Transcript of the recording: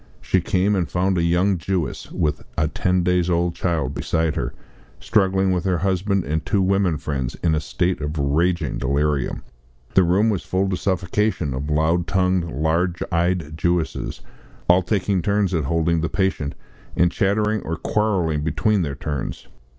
She came, and found a young Jewess, with a ten days old child beside her, struggling with her husband and two women friends in a state of raging delirium. The room, was full to suffocation of loud tongued, large eyed Jewesses, all taking turns at holding the patient, and chattering or quarrelling between their turns.